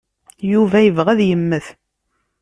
Yuba yebɣa ad yemmet.